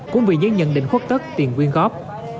cũng vì những nhận định khuất tất tiền quyên góp